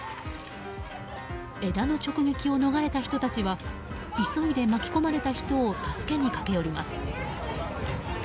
枝の直撃を逃れた人たちは急いで巻き込まれた人を助けに駆け寄ります。